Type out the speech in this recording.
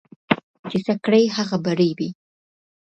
چي څه کرې ، هغه به رېبې.